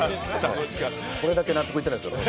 これだけ納得いってないですけど。